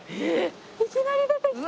いきなり出てきた！